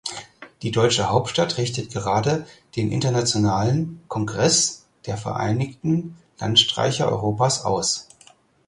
Die deutsche Hauptstadt richtet gerade den "Internationalen Kongress der vereinigten Landstreicher Europas" aus.